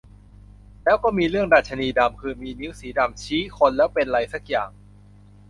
แล้วก็มีเรื่องดรรชนีดำ คือมีนิ้วสีดำ ชี้คนแล้วเป็นไรสักอย่าง